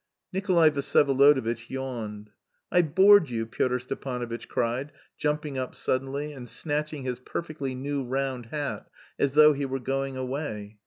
Nikolay Vsyevolodovitch yawned. "I've bored you," Pyotr Stepanovitch cried, jumping up suddenly, and snatching his perfectly new round hat as though he were going away.